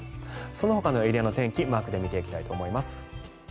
そのほかのエリアの天気マークで見ていきたいと思います。